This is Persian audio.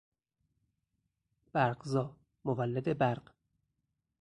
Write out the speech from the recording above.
برقزا، مولد برق